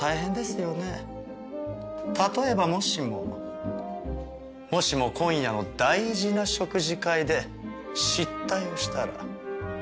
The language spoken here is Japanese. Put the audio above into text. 例えばもしももしも今夜の大事な食事会で失態をしたら。